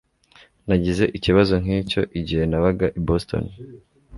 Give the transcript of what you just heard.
Nagize ikibazo nkicyo igihe nabaga i Boston